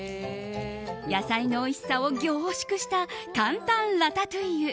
野菜のおいしさを凝縮した簡単ラタトゥイユ。